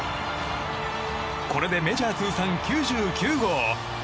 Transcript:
これでメジャー通算９９号。